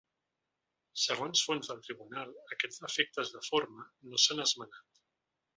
Segons fonts del tribunal, aquests defectes de forma no s’han esmenat.